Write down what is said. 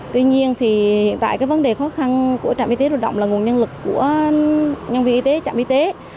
tuy nhiên hiện tại vấn đề khó khăn của trạm y tế lưu động là nguồn nhân lực của nhân viên y tế trạm y tế